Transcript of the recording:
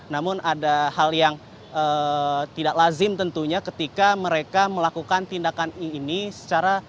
namun ada hal yang tidak lazim tentunya ketika mereka melakukan tindakan ini secara